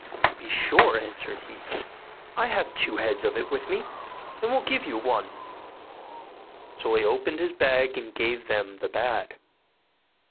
'To be sure,' answered he; 'I have two heads of it with me, and will give you one'; so he opened his bag and gave them the bad.